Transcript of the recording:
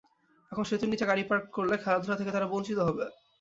এখন সেতুর নিচে গাড়ি পার্ক করলে খেলাধুলা থেকে তারা বঞ্চিত হবে।